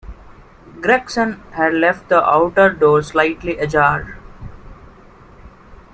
Gregson had left the outer door slightly ajar.